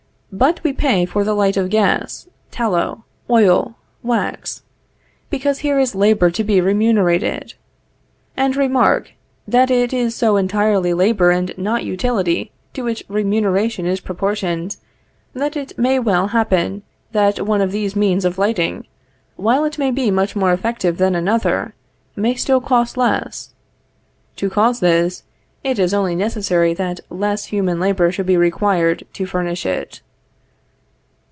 But we pay for the light of gas, tallow, oil, wax, because here is labor to be remunerated; and remark, that it is so entirely labor and not utility to which remuneration is proportioned, that it may well happen that one of these means of lighting, while it may be much more effective than another, may still cost less. To cause this, it is only necessary that less human labor should be required to furnish it.